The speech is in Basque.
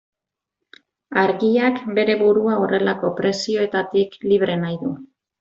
Argiak bere burua horrelako presioetatik libre nahi du.